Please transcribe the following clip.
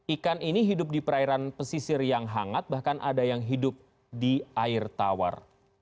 ikan ini hidup di perairan pesisir yang hangat bahkan ada yang hidup di air tawar